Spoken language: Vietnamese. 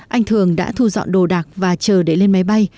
anh thường đã thu dọn đồ đạc và chờ để lên máy bay